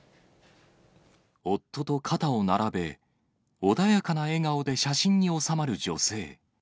夫と肩を並べ、穏やかな笑顔で写真に納まる女性。